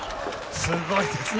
すごいですね